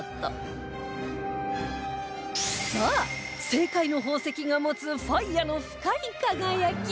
さあ正解の宝石が持つファイアの深い輝き